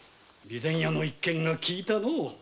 備前屋の一件が効いたのう。